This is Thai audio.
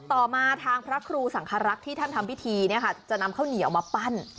ต่อมาทางพระครูสังครักษ์ที่ท่านทำพิธีจะนำข้าวเหนียวมาปั้น